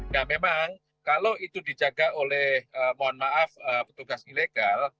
nah memang kalau itu dijaga oleh mohon maaf petugas ilegal